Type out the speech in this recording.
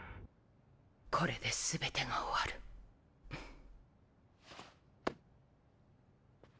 これで全てが終わるフッ。